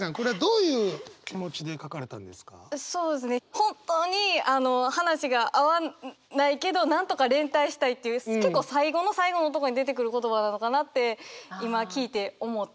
本当に話が合わないけどなんとか連帯したいっていう結構最後の最後のとこに出てくる言葉なのかなって今聞いて思って。